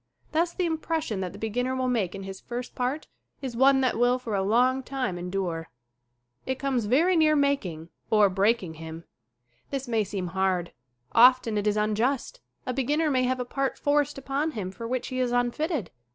Thus the impression that the beginner will make in his first part is one that will for a long time endure. It comes very near making or 51 52 SCREEN ACTING breaking him. This may seem hard. Often it is unjust a beginner may have a part forced upon him for which he is unfitted.